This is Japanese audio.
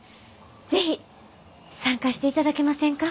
是非参加していただけませんか？